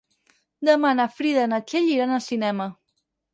Demà na Frida i na Txell iran al cinema.